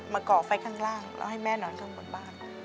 ก่อไฟข้างล่างแล้วให้แม่นอนข้างบนบ้าน